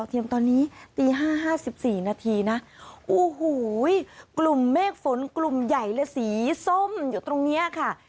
อีกทีนะโอ้โหกลุ่มเมฆฝนกลุ่มใหญ่และสีส้มอยู่ตรงนี้ค่ะ